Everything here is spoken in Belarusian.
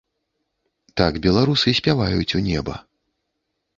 Так беларусы спяваюць у неба.